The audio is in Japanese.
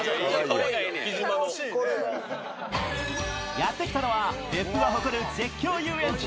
やってきたのは、別府が誇る絶叫遊園地